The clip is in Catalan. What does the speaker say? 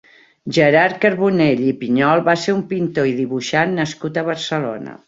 Gerard Carbonell i Piñol va ser un pintor i dibuixant nascut a Barcelona.